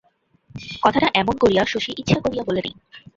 কথাটা এমন করিয়া শশী ইচ্ছা করিয়া বলে নাই।